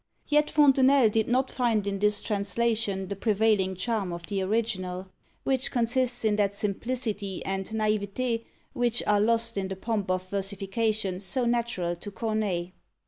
Yet Fontenelle did not find in this translation the prevailing charm of the original, which consists in that simplicity and naïveté which are lost in the pomp of versification so natural to Corneille.